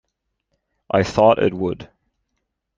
I thought it would.